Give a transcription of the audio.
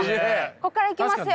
こっからいきますよ。